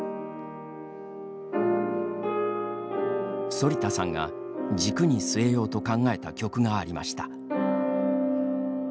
反田さんが軸に据えようと考えた曲がありました。